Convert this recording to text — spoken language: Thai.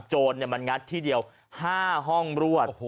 โจรมันงัดที่เดียว๕ห้องรวด